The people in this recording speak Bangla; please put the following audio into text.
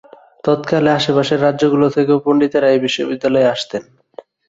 তৎকালে আশেপাশের রাজ্যগুলো থেকেও পণ্ডিতেরা এই বিশ্ববিদ্যালয়ে আসতেন।